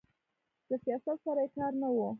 له سیاست سره یې کار نه و.